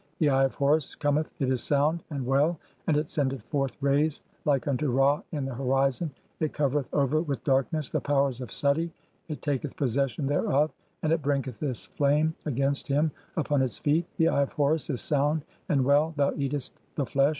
The Eye of Horus "(15) cometh, it is sound and well, and it sendeth forth rays "like unto Ra in the horizon ; it covereth over with darkness "the powers of Suti, it taketh possession thereof and it bringeth "its flame (16) against him upon [its] feet(?). The Eye of Horus "is sound and well, thou eatest the flesh